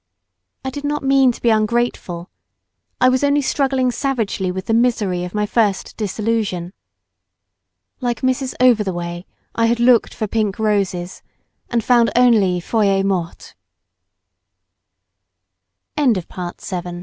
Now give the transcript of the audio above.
I did not mean to be ungrateful; I was only struggling savagely with the misery of my first disillusion. Like Mrs. Over the way, I had looked for pink roses, and found only feuilles mortes. PART VIII.—IN AUVERGNE. We were t